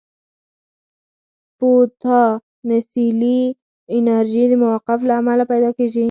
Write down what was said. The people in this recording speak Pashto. پوتانسیلي انرژي د موقف له امله پیدا کېږي.